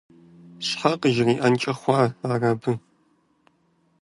Щхьэ къыжриӀэнкӀэ хъуа ар абы?